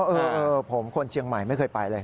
เออผมคนเชียงใหม่ไม่เคยไปเลย